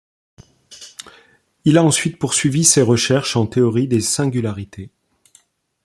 Il a ensuite poursuivi ses recherches en théorie des singularités.